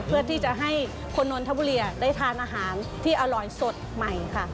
เพื่อที่จะให้คนนนทบุรีได้ทานอาหารที่อร่อยสดใหม่ค่ะ